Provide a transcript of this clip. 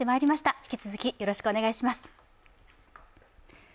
引き続き、よろしくお願いします。